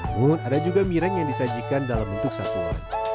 pun ada juga mireng yang disajikan dalam bentuk satuan